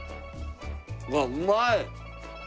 うわっうまい！